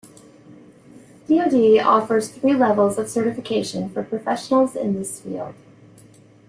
DoD offers three levels of certification for professionals in this field.